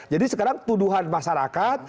jadi sekarang tuduhan masyarakat